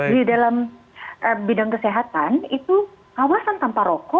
di dalam bidang kesehatan itu kawasan tanpa rokok